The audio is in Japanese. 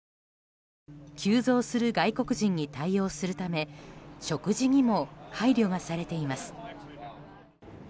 急増する外国人に対応するため食事にも配慮がされています。